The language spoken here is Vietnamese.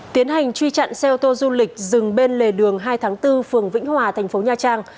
tiến hành truy chặn xe ô tô du lịch dừng bên lề đường hai tháng bốn phường vĩnh hòa thành phố nha trang